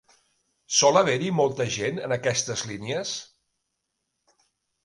Sol haver-hi molta gent en aquestes línies?